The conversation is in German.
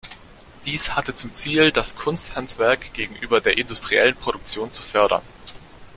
Diese hatte zum Ziel, das Kunsthandwerk gegenüber der industriellen Produktion zu fördern.